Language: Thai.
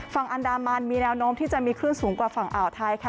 ฝั่งอันดามันมีแนวโน้มที่จะมีคลื่นสูงกว่าฝั่งอ่าวไทยค่ะ